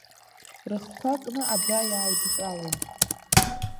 Рыхқәа кны абра иааидтәалон.